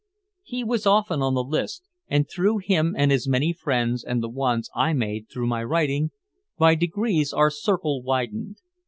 He was often on the list, and through him and his many friends and the ones I made through my writing, by degrees our circle widened.